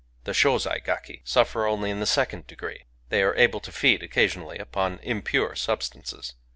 The Sbozai gaki suffer only in the second degree : they are able to feed occasion ally upon impure substances.